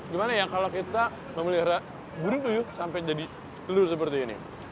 gimana ya kalau kita memelihara burung puyuh sampai jadi telur seperti ini